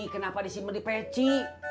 kenapa di sini beripeci